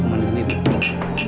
aku mandi dulu